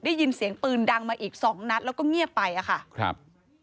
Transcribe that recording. ได้ยินเสียงปืนดังมาอีกสองนัดแล้วก็เงียบไปอะค่ะครับ